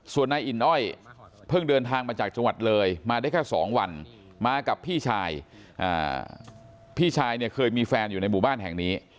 ส่วนนายอินอ้อยเพิ่งเดินทางมาจากจังหวัดเลยมาได้แค่๒วันมากับพี่ชายพี่ชายเนี่ยเคยมีแฟนอยู่ในหมู่บ้านแห่งนี้